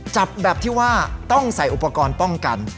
จับแบบที่ว่าต้องใส่อุปกรณ์ป้องกัน